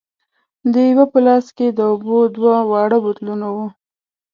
د یوه په لاس کې د اوبو دوه واړه بوتلونه وو.